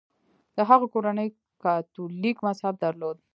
د هغه کورنۍ کاتولیک مذهب درلود.